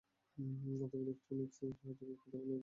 অথবা ইলেকট্রন সহযোগী পরমাণুর যোজনী শেল থেকে বের হয়েও আসতে পারে।